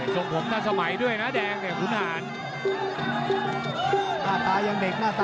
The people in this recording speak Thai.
ส่งผมธนสมัยด้วยนะแดงคุณฮาน